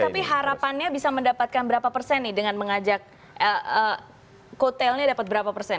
tapi harapannya bisa mendapatkan berapa persen nih dengan mengajak kotelnya dapat berapa persen